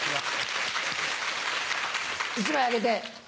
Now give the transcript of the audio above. １枚あげて。